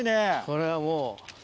これはもう。